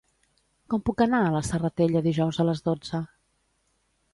Com puc anar a la Serratella dijous a les dotze?